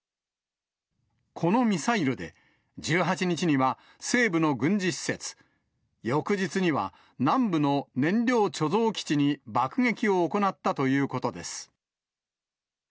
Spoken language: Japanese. このミサイルで、１８日には西部の軍事施設、翌日には南部の燃料貯蔵基地に爆撃を行ったということです。